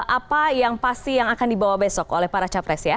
apa yang pasti yang akan dibawa besok oleh para capres ya